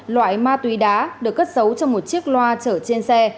loại ma túy đá được cất giấu trong một chiếc loa chở trên xe